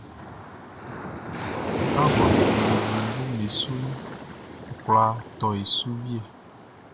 Sa ngʼɔ ju e wienguʼm be suʼn, ɔ kwla tɔ e su wie.